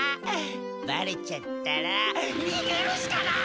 バレちゃったらにげるしかない！